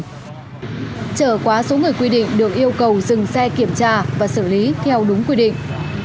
trở quá số người quy định được yêu cầu dừng xe kiểm tra và xử lý theo đúng quy định